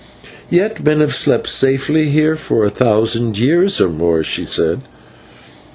"Yet men have slept safely here for a thousand years or more," she said.